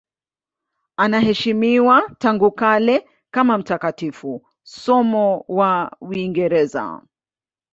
Anaheshimiwa tangu kale kama mtakatifu, somo wa Uingereza.